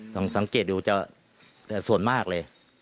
สองสังเกตอยู่จะซวนมากเลย